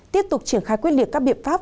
tiếp tục triển khai quyết liệt các biện pháp